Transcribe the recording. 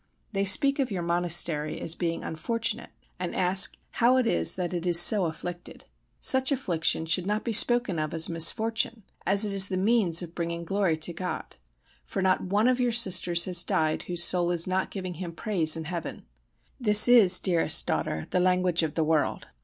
They speak of your monastery as being unfortunate, and ask how it is that it is so afflicted. Such affliction should not be spoken of as a misfortune, as it is the means of bringing glory to God; for not one of your Sisters has died whose soul is not giving Him praise in Heaven. This is, dearest daughter, the language of the world.